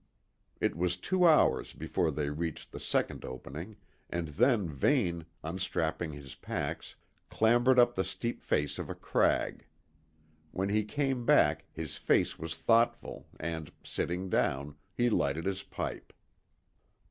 It was two hours before they reached the second opening, and then Vane, unstrapping his packs, clambered up the steep face of a crag. When he came back his face was thoughtful and, sitting down, he lighted his pipe.